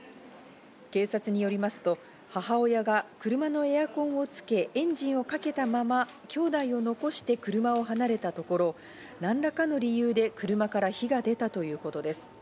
警察によりますと、母親が車のエアコンをつけ、エンジンをかけたまま兄弟を残して車を離れたところ、何らかの理由で車から火が出たということです。